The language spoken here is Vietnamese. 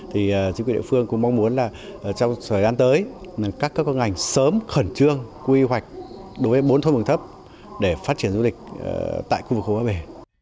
thì chính quyền địa phương cũng mong muốn là trong thời gian tới các các ngành sớm khẩn trương quy hoạch đối với bốn thôn vùng thấp để phát triển du lịch tại khu vực khu bà bể